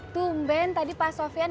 tumben tadi pak sofian